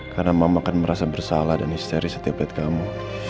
karena mama akan merasa bersalah dan histeri setiap hari kamu